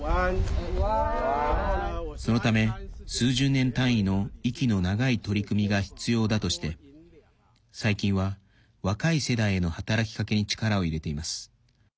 そのため、数十年単位の息の長い取り組みが必要だとして最近は、若い世代への働きかけに力を入れています。